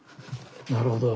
なるほど。